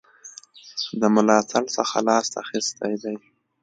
د ملاتړ څخه لاس اخیستی دی.